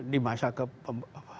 di masa ke